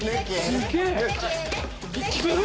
すげえ。